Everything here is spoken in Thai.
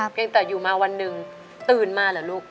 เพียงแต่อยู่มาวันหนึ่งตื่นมาเหรอลูก